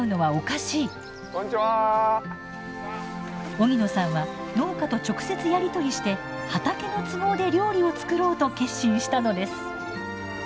荻野さんは農家と直接やり取りして畑の都合で料理を作ろうと決心したのです。